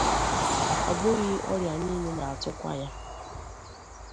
Ọ bụghị ọrịa niile na-atụkwa ya